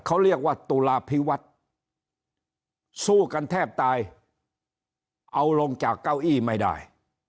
เขาเรียกว่าตุลาพิวัฒน์สู้กันแทบตายเอาลงจากเก้าอี้ไม่ได้